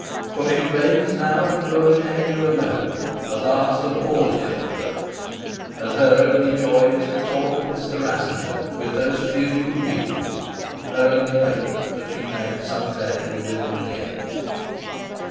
For she reigns now in Ruritania alone, the last of all the Elphbergs; and her only joy is to talk of Mr. Rassendyll with those few who knew him, her only hope that she may some day be with him again.